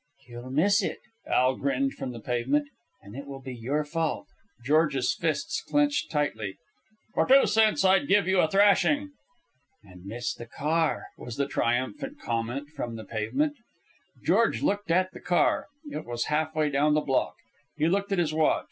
"You'll miss it," Al grinned from the pavement. "And it will be your fault." George's fists clenched tightly. "For two cents I'd give you a thrashing." "And miss the car," was the triumphant comment from the pavement. George looked at the car. It was halfway down the block. He looked at his watch.